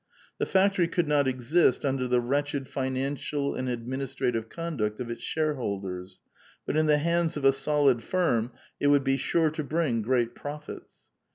The factory could not exist under the wretched financial and administrative conduct of its shareholders ; but in the hands of a solid firm it would be sure to bring great profits.